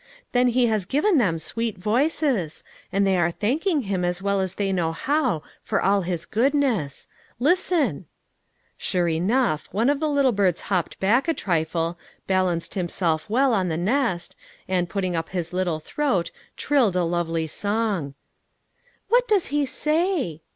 Then He has given them sweet voices, and they are thanking Him as well as they know how, for all his goodness. Listen." AN OEDEAL. 301 Sure enough, one of the little birds hopped back a trifle, balanced himself well on the nest, and, putting up his little throat, trilled a lovely song. " What does he say